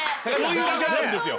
時間あるんですよ。